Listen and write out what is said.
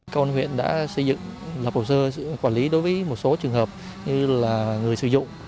công an huyện đã xây dựng lập hồ sơ quản lý đối với một số trường hợp như là người sử dụng